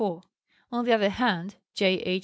On the other hand, J.H.